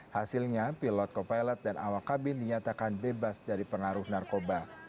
hasilnya pilot co pilot dan awak kabin dinyatakan bebas dari pengaruh narkoba